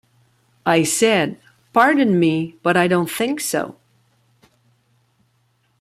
I said 'Pardon me, but I don't think so.